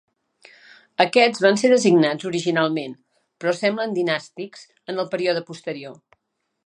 Aquests van ser designats originalment, però semblen dinàstics en el període posterior.